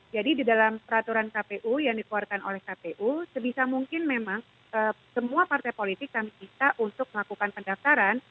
jadi di dalam peraturan kpu yang dikeluarkan oleh kpu sebisa mungkin memang semua partai politik kami bisa untuk melakukan pendaftaran